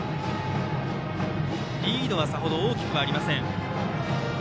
リードはさほど大きくありません。